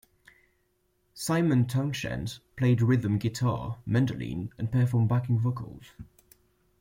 Simon Townshend played rhythm guitar, mandolin, and performed backing vocals.